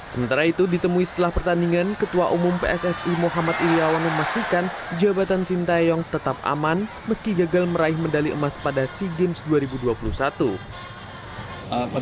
sementara itu ditemui setelah pertandingan ketua umum pssi muhammad iryawan memastikan jabatan shin taeyong tetap aman meski gagal meraih medali emas pada sea games dua ribu dua puluh satu